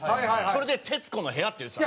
それで『徹子の部屋』って言ってた。